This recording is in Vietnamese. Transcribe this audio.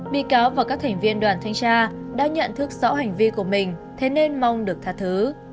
bị cáo và các thành viên đoàn thanh tra đã nhận thức rõ hành vi của mình thế nên mong được tha thứ